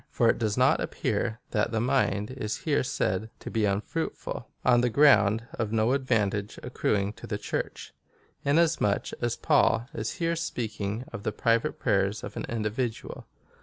For it does not appear that the mind is here said to be un fruitful, (aKapirov,) on the ground of no advantage accruing to the Church, inasmuch as Paul is here speaking of the private prayers of an individual.